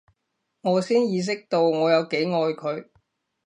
我先意識到我有幾愛佢